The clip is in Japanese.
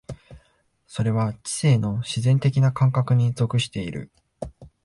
それは知性の自然的な感覚に属している。